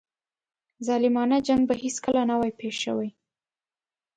ظالمانه جنګ به هیڅکله نه وای پېښ شوی.